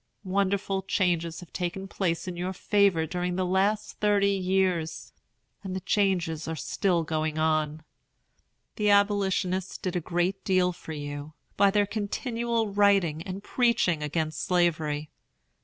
Wonderful changes have taken place in your favor during the last thirty years, and the changes are still going on. The Abolitionists did a great deal for you, by their continual writing and preaching against Slavery.